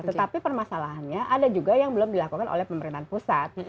tetapi permasalahannya ada juga yang belum dilakukan oleh pemerintahan pusat